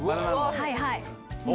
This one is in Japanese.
はいはい。